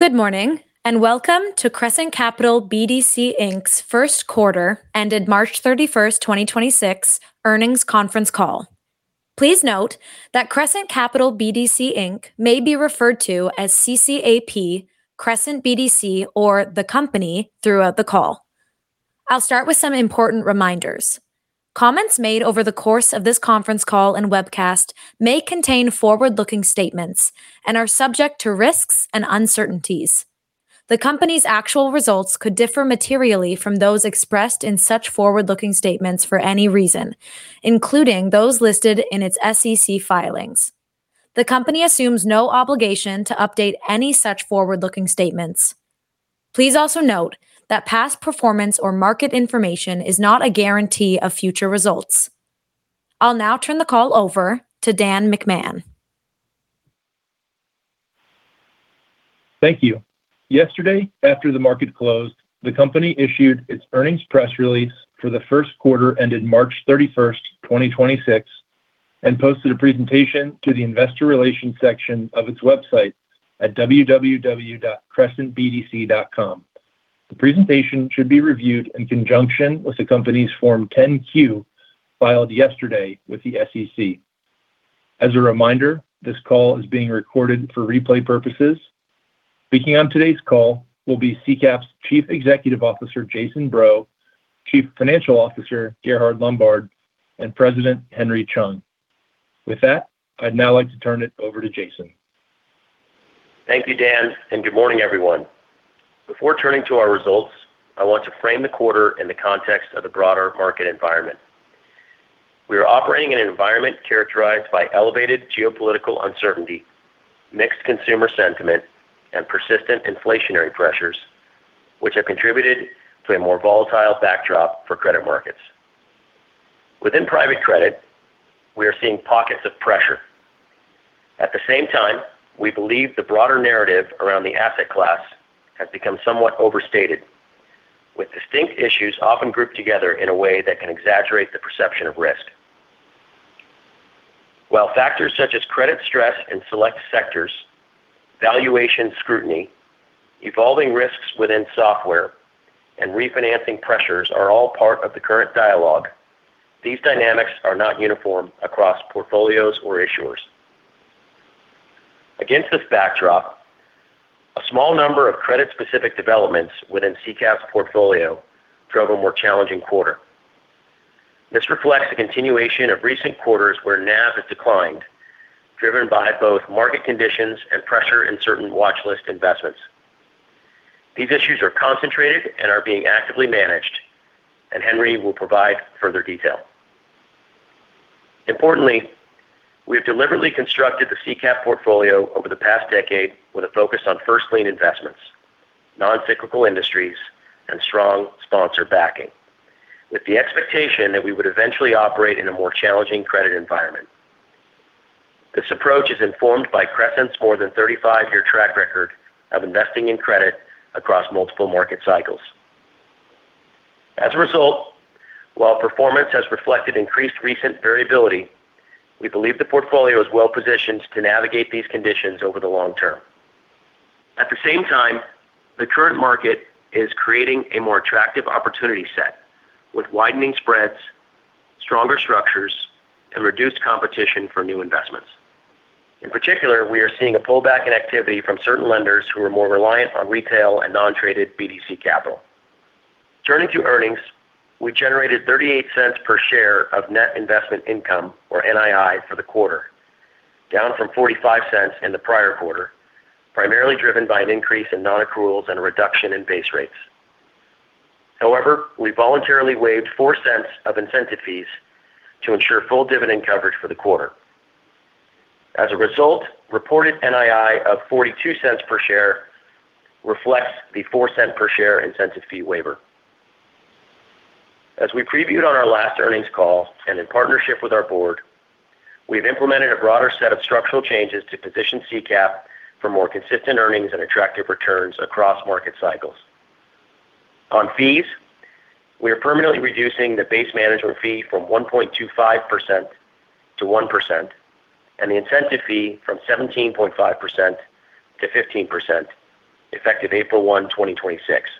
Good morning, and welcome to Crescent Capital BDC, Inc.'s first quarter ended March 31st, 2026 earnings conference call. Please note that Crescent Capital BDC, Inc. may be referred to as CCAP, Crescent BDC, or the Company throughout the call. I'll start with some important reminders. Comments made over the course of this conference call and webcast may contain forward-looking statements and are subject to risks and uncertainties. The Company's actual results could differ materially from those expressed in such forward-looking statements for any reason, including those listed in its SEC filings. The Company assumes no obligation to update any such forward-looking statements. Please also note that past performance or market information is not a guarantee of future results. I'll now turn the call over to Dan McMahon. Thank you. Yesterday, after the market closed, the company issued its earnings press release for the first quarter ended March 31st, 2026, and posted a presentation to the investor relations section of its website at www.crescentbdc.com. The presentation should be reviewed in conjunction with the company's Form 10-Q filed yesterday with the SEC. As a reminder, this call is being recorded for replay purposes. Speaking on today's call will be CCAP's Chief Executive Officer, Jason Breaux, Chief Financial Officer, Gerhard Lombard, and President Henry Chung. With that, I'd now like to turn it over to Jason. Thank you, Dan, and good morning, everyone. Before turning to our results, I want to frame the quarter in the context of the broader market environment. We are operating in an environment characterized by elevated geopolitical uncertainty, mixed consumer sentiment, and persistent inflationary pressures, which have contributed to a more volatile backdrop for credit markets. Within private credit, we are seeing pockets of pressure. At the same time, we believe the broader narrative around the asset class has become somewhat overstated, with distinct issues often grouped together in a way that can exaggerate the perception of risk. While factors such as credit stress in select sectors, valuation scrutiny, evolving risks within software, and refinancing pressures are all part of the current dialogue, these dynamics are not uniform across portfolios or issuers. Against this backdrop, a small number of credit-specific developments within CCAP's portfolio drove a more challenging quarter. This reflects a continuation of recent quarters where NAV has declined, driven by both market conditions and pressure in certain watchlist investments. These issues are concentrated and are being actively managed, Henry will provide further detail. Importantly, we have deliberately constructed the CCAP portfolio over the past decade with a focus on first lien investments, non-cyclical industries, and strong sponsor backing, with the expectation that we would eventually operate in a more challenging credit environment. This approach is informed by Crescent's more than 35-year track record of investing in credit across multiple market cycles. As a result, while performance has reflected increased recent variability, we believe the portfolio is well-positioned to navigate these conditions over the long term. At the same time, the current market is creating a more attractive opportunity set with widening spreads, stronger structures, and reduced competition for new investments. In particular, we are seeing a pullback in activity from certain lenders who are more reliant on retail and non-traded BDC capital. Turning to earnings, we generated $0.38 per share of net investment income, or NII, for the quarter, down from $0.45 in the prior quarter, primarily driven by an increase in non-accruals and a reduction in base rates. We voluntarily waived $0.04 of incentive fees to ensure full dividend coverage for the quarter. Reported NII of $0.42 per share reflects the $0.04 per share incentive fee waiver. As we previewed on our last earnings call and in partnership with our board, we've implemented a broader set of structural changes to position CCAP for more consistent earnings and attractive returns across market cycles. On fees, we are permanently reducing the base management fee from 1.25% to 1% and the incentive fee from 17.5% to 15%, effective April 1, 2026.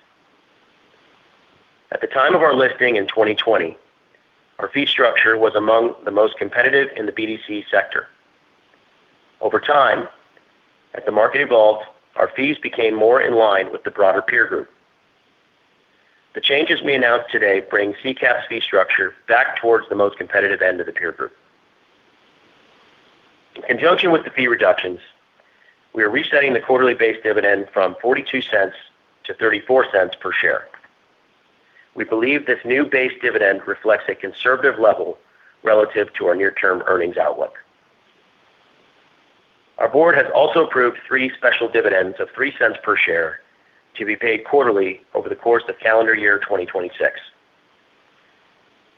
At the time of our listing in 2020, our fee structure was among the most competitive in the BDC sector. Over time, as the market evolved, our fees became more in line with the broader peer group. The changes we announced today bring CCAP's fee structure back towards the most competitive end of the peer group. In conjunction with the fee reductions, we are resetting the quarterly base dividend from $0.42 to $0.34 per share. We believe this new base dividend reflects a conservative level relative to our near-term earnings outlook. Our board has also approved three special dividends of $0.03 per share to be paid quarterly over the course of calendar year 2026.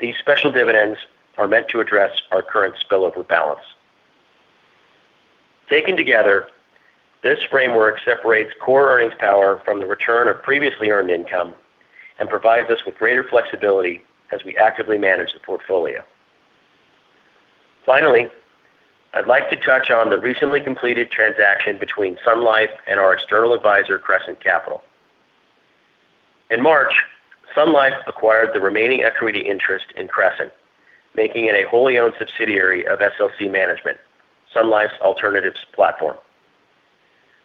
These special dividends are meant to address our current spillover balance. Taken together, this framework separates core earnings power from the return of previously earned income and provides us with greater flexibility as we actively manage the portfolio Finally, I'd like to touch on the recently completed transaction between Sun Life and our external advisor, Crescent Capital. In March, Sun Life acquired the remaining equity interest in Crescent, making it a wholly-owned subsidiary of SLC Management, Sun Life's alternatives platform.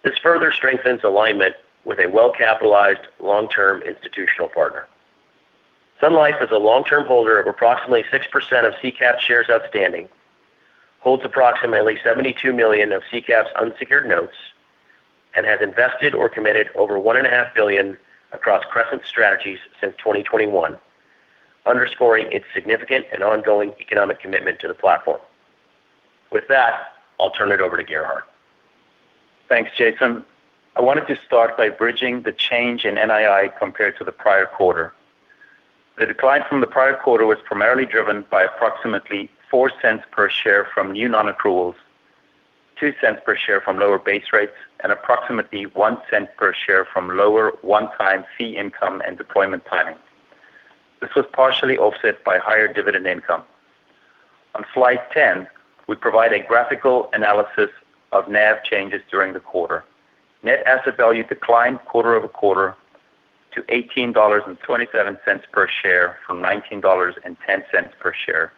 This further strengthens alignment with a well-capitalized long-term institutional partner. Sun Life is a long-term holder of approximately 6% of CCAP shares outstanding, holds approximately $72 million of CCAP's unsecured notes, and has invested or committed over one and a half billion across Crescent strategies since 2021, underscoring its significant and ongoing economic commitment to the platform. With that, I'll turn it over to Gerhard. Thanks, Jason. I wanted to start by bridging the change in NII compared to the prior quarter. The decline from the prior quarter was primarily driven by approximately $0.04 per share from new non-accruals, $0.02 per share from lower base rates, and approximately $0.01 per share from lower one-time fee income and deployment timing. This was partially offset by higher dividend income. On slide 10, we provide a graphical analysis of NAV changes during the quarter. Net asset value declined quarter-over-quarter to $18.27 per share from $19.10 per share,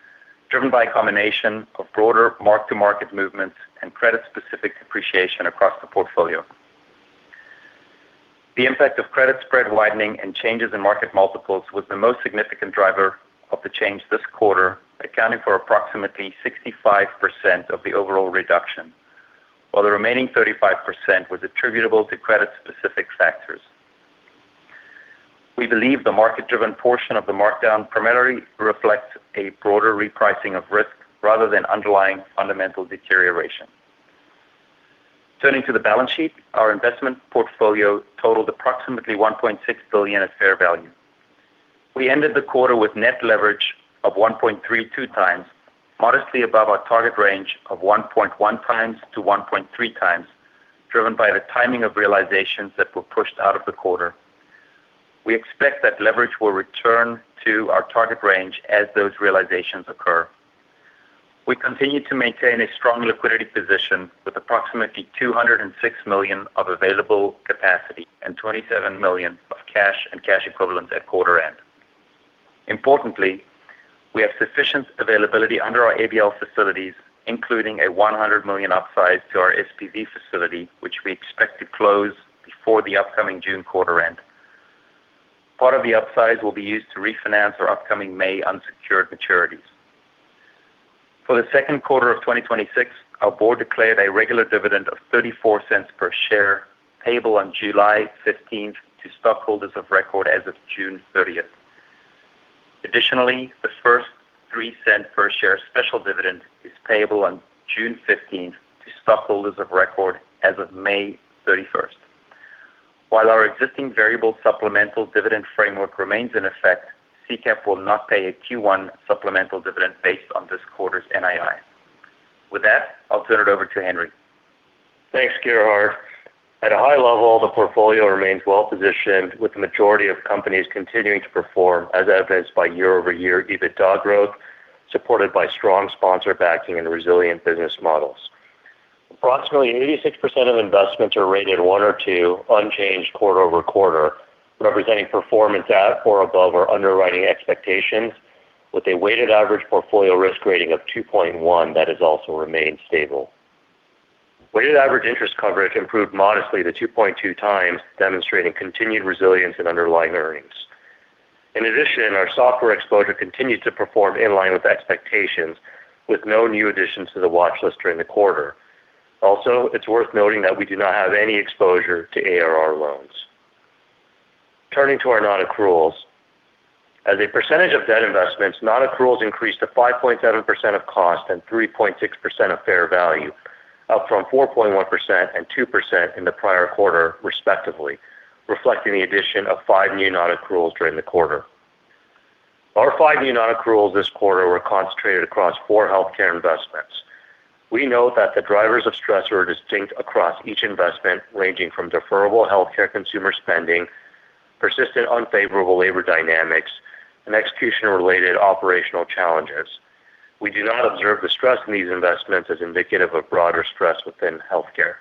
driven by a combination of broader mark-to-market movements and credit-specific depreciation across the portfolio. The impact of credit spread widening and changes in market multiples was the most significant driver of the change this quarter, accounting for approximately 65% of the overall reduction, while the remaining 35% was attributable to credit-specific factors. We believe the market-driven portion of the markdown primarily reflects a broader repricing of risk rather than underlying fundamental deterioration. Turning to the balance sheet, our investment portfolio totaled approximately $1.6 billion at fair value. We ended the quarter with net leverage of 1.32x, modestly above our target range of 1.1x-1.3x, driven by the timing of realizations that were pushed out of the quarter. We expect that leverage will return to our target range as those realizations occur. We continue to maintain a strong liquidity position with approximately $206 million of available capacity and $27 million of cash and cash equivalents at quarter end. Importantly, we have sufficient availability under our ABL facilities, including a $100 million upsize to our SPV facility, which we expect to close before the upcoming June quarter end. Part of the upsize will be used to refinance our upcoming May unsecured maturities. For the second quarter of 2026, our board declared a regular dividend of $0.34 per share payable on July 15th to stockholders of record as of June 30th. Additionally, the first $0.03 per share special dividend is payable on June 15th to stockholders of record as of May 31st. While our existing variable supplemental dividend framework remains in effect, CCAP will not pay a Q1 supplemental dividend based on this quarter's NII. With that, I'll turn it over to Henry. Thanks, Gerhard. At a high level, the portfolio remains well-positioned with the majority of companies continuing to perform, as evidenced by year-over-year EBITDA growth, supported by strong sponsor backing and resilient business models. Approximately 86% of investments are rated 1 or 2 unchanged quarter-over-quarter, representing performance at or above our underwriting expectations with a weighted average portfolio risk rating of 2.1 that has also remained stable. Weighted average interest coverage improved modestly to 2.2x, demonstrating continued resilience in underlying earnings. In addition, our software exposure continued to perform in line with expectations, with no new additions to the watchlist during the quarter. Also, it's worth noting that we do not have any exposure to ARR loans. Turning to our non-accruals. As a percentage of debt investments, non-accruals increased to 5.7% of cost and 3.6% of fair value, up from 4.1% and 2% in the prior quarter, respectively, reflecting the addition of five new non-accruals during the quarter. Our five new non-accruals this quarter were concentrated across four healthcare investments. We note that the drivers of stress are distinct across each investment, ranging from deferrable healthcare consumer spending, persistent unfavorable labor dynamics, and execution-related operational challenges. We do not observe the stress in these investments as indicative of broader stress within healthcare.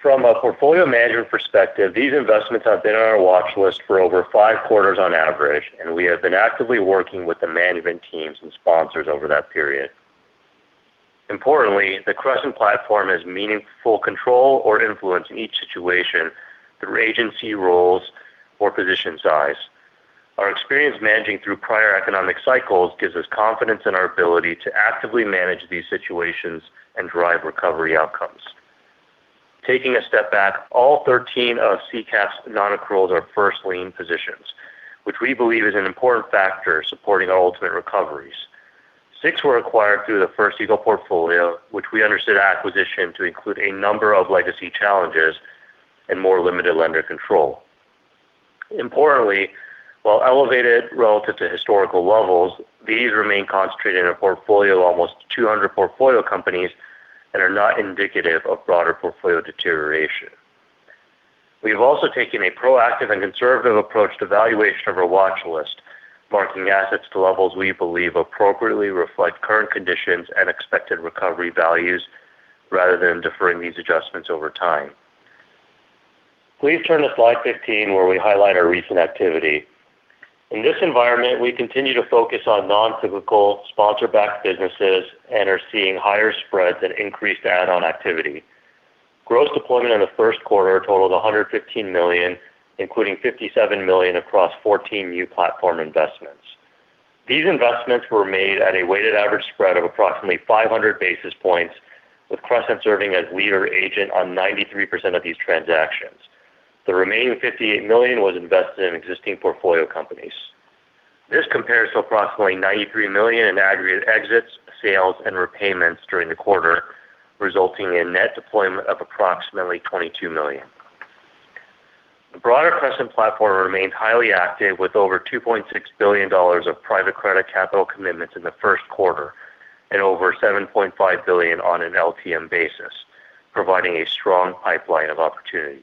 From a portfolio management perspective, these investments have been on our watchlist for over five quarters on average, and we have been actively working with the management teams and sponsors over that period. Importantly, the Crescent platform has meaningful control or influence in each situation through agency roles or position size. Our experience managing through prior economic cycles gives us confidence in our ability to actively manage these situations and drive recovery outcomes. Taking a step back, all 13 of CCAP's non-accruals are first lien positions, which we believe is an important factor supporting our ultimate recoveries. Six were acquired through the First Eagle portfolio, which we understood at acquisition to include a number of legacy challenges and more limited lender control. Importantly, while elevated relative to historical levels, these remain concentrated in a portfolio of almost 200 portfolio companies and are not indicative of broader portfolio deterioration. We have also taken a proactive and conservative approach to valuation of our watch list, marking assets to levels we believe appropriately reflect current conditions and expected recovery values rather than deferring these adjustments over time. Please turn to slide 15, where we highlight our recent activity. In this environment, we continue to focus on non-cyclical sponsor-backed businesses and are seeing higher spreads and increased add-on activity. Gross deployment in the first quarter totaled $115 million, including $57 million across 14 new platform investments. These investments were made at a weighted average spread of approximately 500 basis points, with Crescent serving as lead or agent on 93% of these transactions. The remaining $58 million was invested in existing portfolio companies. This compares to approximately $93 million in aggregate exits, sales and repayments during the quarter, resulting in net deployment of approximately $22 million. The broader Crescent platform remained highly active with over $2.6 billion of private credit capital commitments in the first quarter and over $7.5 billion on an LTM basis, providing a strong pipeline of opportunities.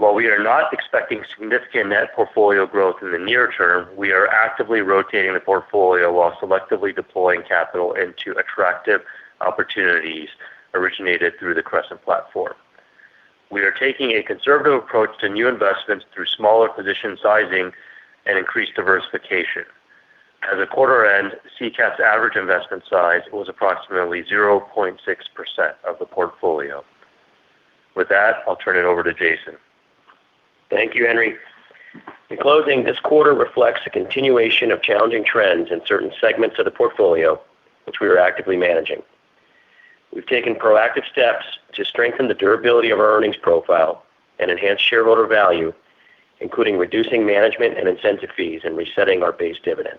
While we are not expecting significant net portfolio growth in the near term, we are actively rotating the portfolio while selectively deploying capital into attractive opportunities originated through the Crescent platform. We are taking a conservative approach to new investments through smaller position sizing and increased diversification. At the quarter-end, CCAP's average investment size was approximately 0.6% of the portfolio. With that, I'll turn it over to Jason. Thank you, Henry. In closing, this quarter reflects a continuation of challenging trends in certain segments of the portfolio, which we are actively managing. We've taken proactive steps to strengthen the durability of our earnings profile and enhance shareholder value, including reducing management and incentive fees and resetting our base dividend.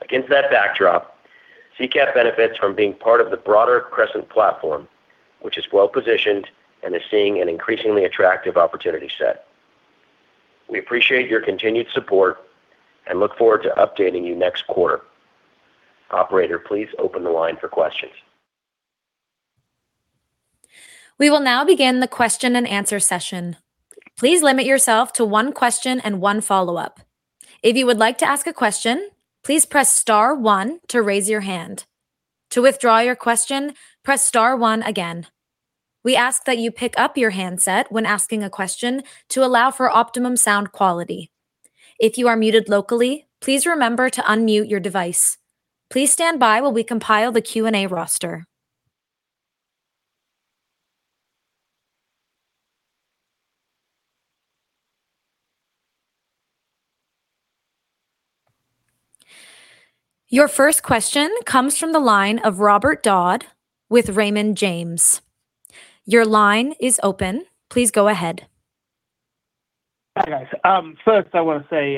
Against that backdrop, CCAP benefits from being part of the broader Crescent platform, which is well-positioned and is seeing an increasingly attractive opportunity set. We appreciate your continued support and look forward to updating you next quarter. Operator, please open the line for questions. We will now begin the question and answer session. Please limit yourself to one question and one follow-up. If you would like to ask a question, please press star one to raise your hand. To withdraw your question, press star one again. We ask that you pick up your handset when asking a question to allow for optimum sound quality. If you are muted locally, please remember to unmute your device. Please stand by while we compile the Q&A roster. Your first question comes from the line of Robert Dodd with Raymond James. Your line is open. Please go ahead. Hi, guys. First I want to say,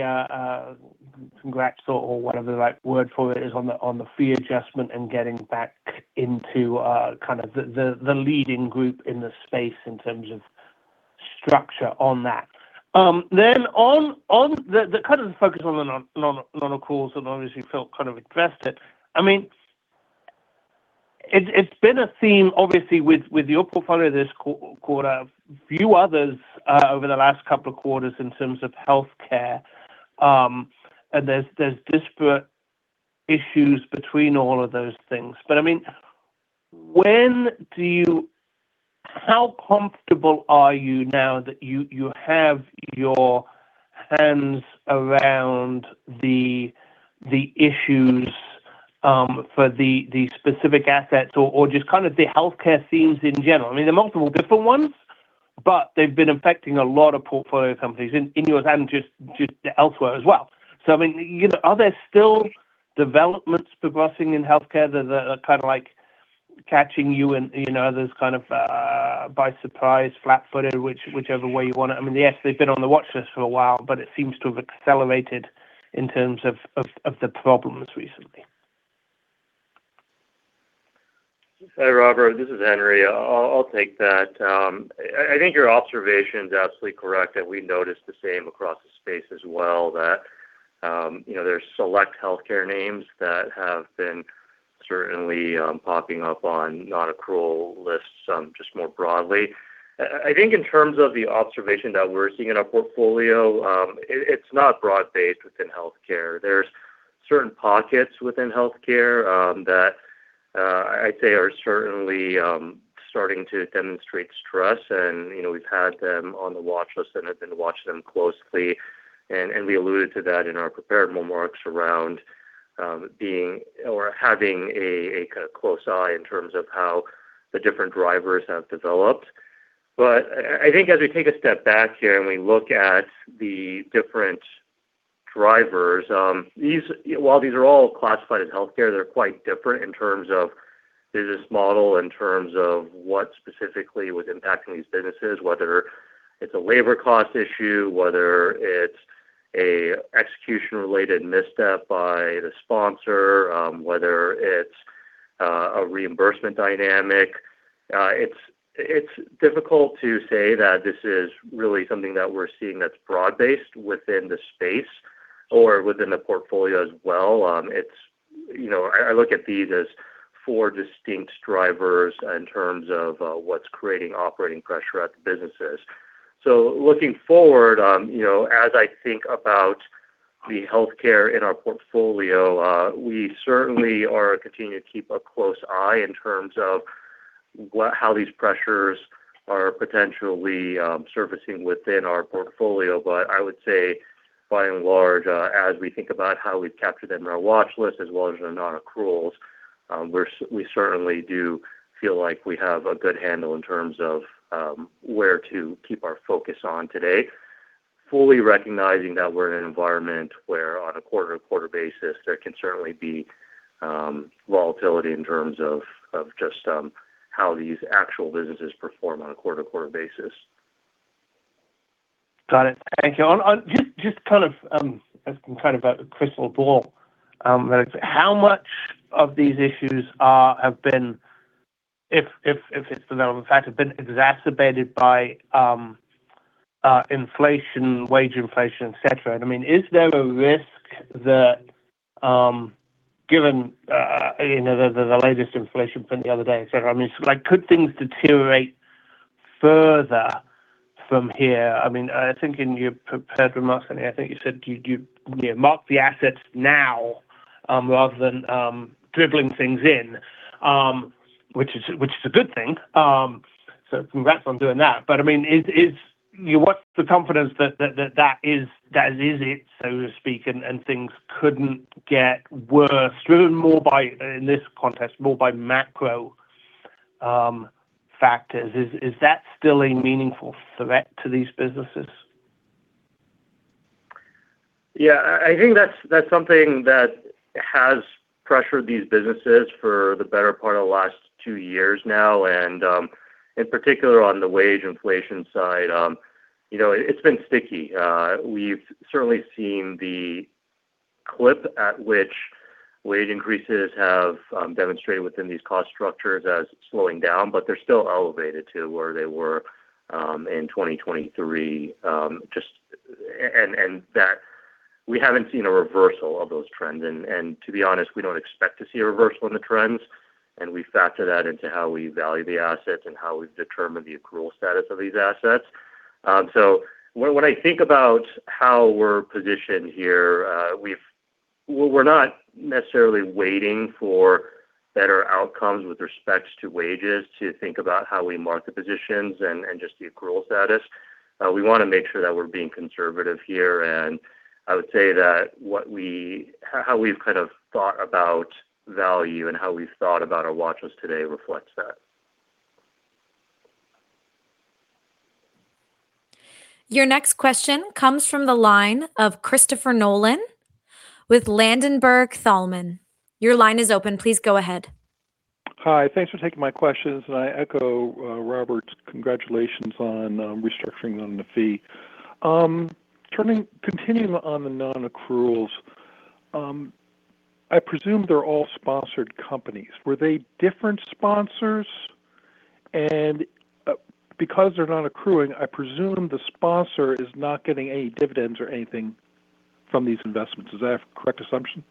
congrats or whatever the right word for it is on the fee adjustment and getting back into kind of the leading group in the space in terms of structure on that. On the kind of the focus on the non-accruals, obviously Phil kind of addressed it. I mean, it's been a theme obviously with your portfolio this quarter, few others, over the last couple of quarters in terms of healthcare. There's disparate issues between all of those things. I mean, how comfortable are you now that you have your hands around the issues for the specific assets or just kind of the healthcare themes in general? I mean, there are multiple different ones, but they've been affecting a lot of portfolio companies in yours and just elsewhere as well. I mean, you know, are there still developments progressing in healthcare that are kind of like catching you and, you know, others kind of by surprise, flat-footed, whichever way you want it? I mean, yes, they've been on the watchlist for a while, but it seems to have accelerated in terms of the problems recently. Hi, Robert. This is Henry. I'll take that. I think your observation's absolutely correct, and we noticed the same across the space as well, that, you know, there's select healthcare names that have been certainly popping up on non-accrual lists just more broadly. I think in terms of the observation that we're seeing in our portfolio, it's not broad-based within healthcare. There's certain pockets within healthcare that I'd say are certainly starting to demonstrate stress. You know, we've had them on the watchlist and have been watching them closely, and we alluded to that in our prepared remarks around being or having a kinda close eye in terms of how the different drivers have developed. I think as we take a step back here and we look at the different drivers, while these are all classified as healthcare, they're quite different in terms of business model, in terms of what specifically was impacting these businesses, whether it's a labor cost issue, whether it's a execution-related misstep by the sponsor, whether it's a reimbursement dynamic. It's difficult to say that this is really something that we're seeing that's broad-based within the space or within the portfolio as well. You know, I look at these as four distinct drivers in terms of what's creating operating pressure at the businesses. Looking forward, you know, as I think about the healthcare in our portfolio, we certainly are continuing to keep a close eye in terms of how these pressures are potentially surfacing within our portfolio. I would say by and large, as we think about how we've captured them in our watch list as well as their non-accruals, we certainly do feel like we have a good handle in terms of where to keep our focus on today. Fully recognizing that we're in an environment where on a quarter-to-quarter basis, there can certainly be volatility in terms of just how these actual businesses perform on a quarter-to-quarter basis. Got it. Thank you. Just kind of, as kind of a crystal ball, how much of these issues have been if it's the known fact, have been exacerbated by, inflation, wage inflation, et cetera? I mean, is there a risk that, given, you know, the latest inflation print the other day, et cetera, I mean, like could things deteriorate further from here? I mean, I think in your prepared remarks, I think you said you mark the assets now, rather than, dribbling things in, which is a good thing. Congrats on doing that. I mean, is What's the confidence that that that is it, so to speak, and things couldn't get worse driven more by, in this context, more by macro factors? Is that still a meaningful threat to these businesses? Yeah. I think that's something that has pressured these businesses for the better part of the last two years now, in particular on the wage inflation side. You know, it's been sticky. We've certainly seen the clip at which wage increases have demonstrated within these cost structures as slowing down, but they're still elevated to where they were in 2023. Just, that we haven't seen a reversal of those trends. To be honest, we don't expect to see a reversal in the trends, and we factor that into how we value the assets and how we determine the accrual status of these assets. When, when I think about how we're positioned here, We're not necessarily waiting for better outcomes with respect to wages to think about how we mark the positions and just the accrual status. We wanna make sure that we're being conservative here, and I would say that what we how we've kind of thought about value and how we've thought about our watches today reflects that. Your next question comes from the line of Christopher Nolan with Ladenburg Thalmann. Your line is open. Please go ahead. Hi. Thanks for taking my questions, and I echo Robert's congratulations on restructuring on the fee. Continuing on the non-accruals, I presume they're all sponsored companies. Were they different sponsors? Because they're not accruing, I presume the sponsor is not getting any dividends or anything from these investments. Is that a correct assumption?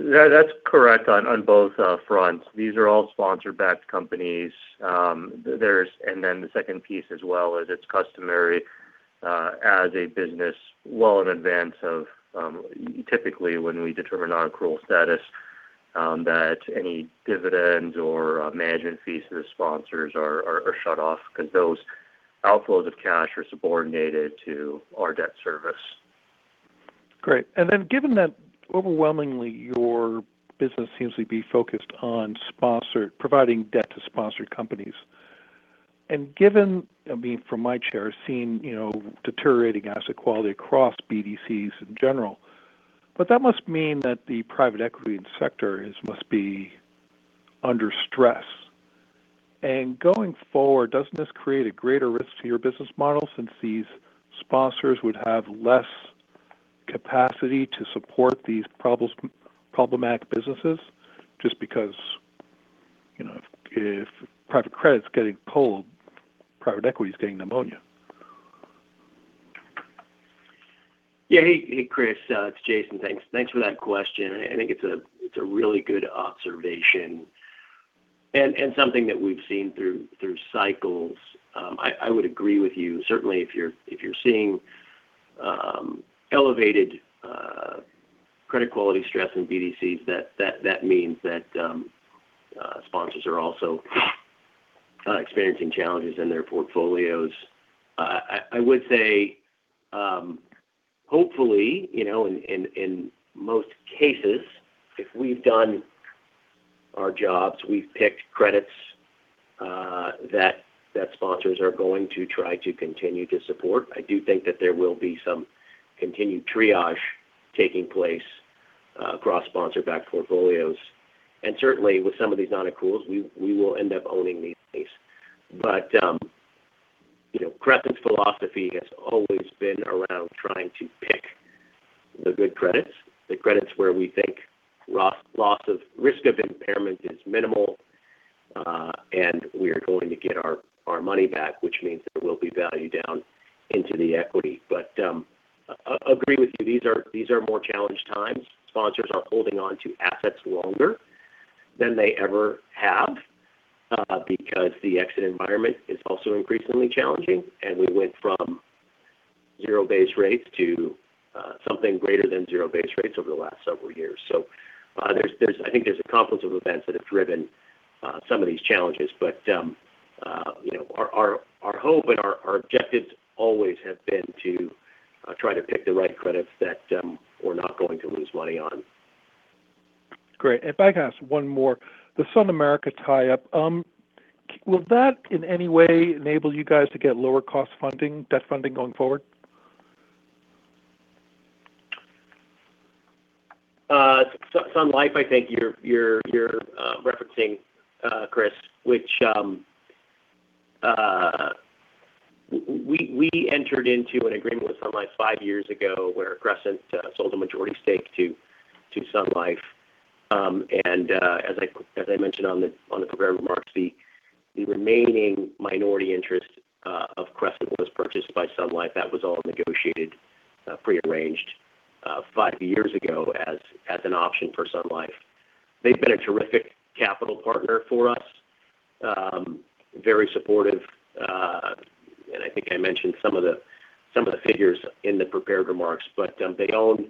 Yeah, that's correct on both fronts. These are all sponsor-backed companies. Then the second piece as well is it's customary as a business well in advance of typically when we determine non-accrual status, that any dividends or management fees to the sponsors are shut off 'cause those outflows of cash are subordinated to our debt service. Great. Then given that overwhelmingly your business seems to be focused on providing debt to sponsored companies, given, I mean, from my chair seeing, you know, deteriorating asset quality across BDCs in general, but that must mean that the private equity sector must be under stress. Going forward, doesn't this create a greater risk to your business model since these sponsors would have less capacity to support these problematic businesses? Just because, you know, if private credit's getting pulled, private equity is getting pneumonia. Yeah. Hey, hey, Chris. It's Jason. Thanks. Thanks for that question. I think it's a really good observation and something that we've seen through cycles. I would agree with you. Certainly, if you're seeing elevated credit quality stress in BDCs, that means that sponsors are also experiencing challenges in their portfolios. I would say, hopefully, you know, in most cases, if we've done our jobs, we've picked credits that sponsors are going to try to continue to support. I do think that there will be some continued triage taking place across sponsor-backed portfolios. Certainly with some of these non-accruals, we will end up owning these lease. You know, Crescent's philosophy has always been around trying to pick the good credits, the credits where we think risk of impairment is minimal. We are going to get our money back, which means there will be value down into the equity. Agree with you, these are more challenged times. Sponsors are holding onto assets longer than they ever have, because the exit environment is also increasingly challenging, and we went from 0 base rates to something greater than 0 base rates over the last several years. I think there's a confluence of events that have driven some of these challenges. You know, our hope and our objectives always have been to try to pick the right credits that we're not going to lose money on. Great. If I can ask one more. The Sun Life tie-up, will that in any way enable you guys to get lower cost funding, debt funding going forward? Sun Life, I think you're referencing, Chris, which we entered into an agreement with Sun Life five years ago where Crescent sold a majority stake to Sun Life. As I mentioned on the prepared remarks, the remaining minority interest of Crescent was purchased by Sun Life. That was all negotiated, prearranged, five years ago as an option for Sun Life. They've been a terrific capital partner for us. Very supportive. I think I mentioned some of the figures in the prepared remarks. They own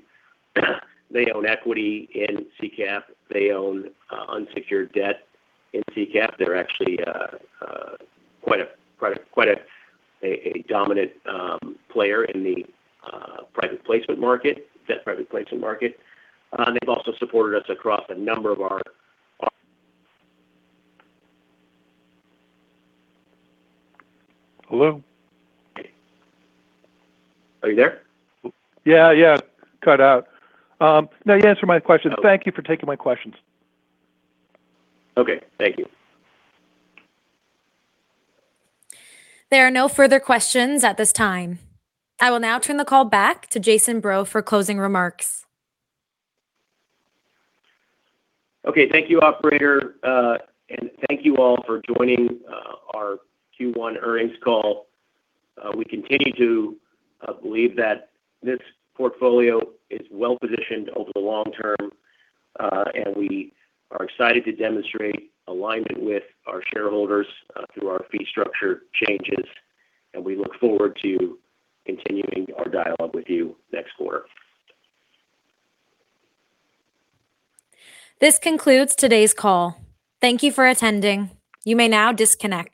equity in CCAP. They own unsecured debt in CCAP. They're actually quite a dominant player in the private placement market, debt private placement market. They've also supported us across a number of our Hello? Are you there? Yeah, cut out. No, you answered my question. Okay. Thank you for taking my questions. Okay. Thank you. There are no further questions at this time. I will now turn the call back to Jason Breaux for closing remarks. Okay. Thank you, operator. Thank you all for joining our Q1 earnings call. We continue to believe that this portfolio is well-positioned over the long term. We are excited to demonstrate alignment with our shareholders through our fee structure changes, and we look forward to continuing our dialogue with you next quarter. This concludes today's call. Thank you for attending. You may now disconnect.